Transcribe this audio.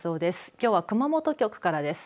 きょうは熊本局からです。